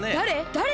だれ？